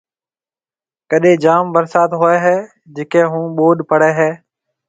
ڪڏَي جام ڀرسات ھوئيَ ھيََََ جڪيَ ھون ٻوڏ پڙَي ھيََََ